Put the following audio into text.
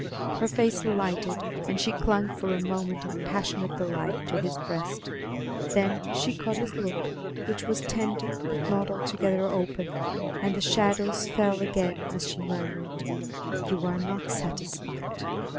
Her face lighted and she clung for a moment in passionate delight to his breast; then she caught his look, which was tender but not altogether open, and the shadows fell again as she murmured: "You are not satisfied.